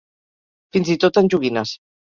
Fins i tot en joguines.